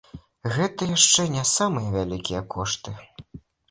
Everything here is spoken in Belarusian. Гэта яшчэ не самыя вялікія кошты.